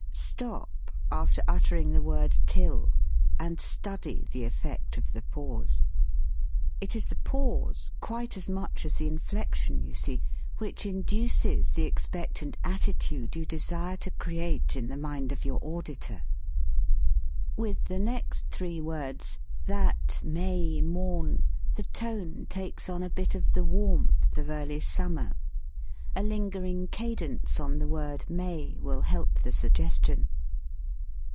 Stop after uttering the word "till" and study the effect of the pause. It is the pause quite as much as the inflection, you see, which induces the expectant attitude you desire to create in the mind of your au ditor. With the next three words, "that May morn," the tone takes on a bit of the warmth of early summer. A lingering ca dence on the word "May" will help the sug gestion.